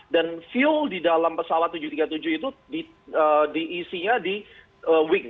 dan fuel di dalam pesawat tujuh ratus tiga puluh tujuh itu diisinya di wing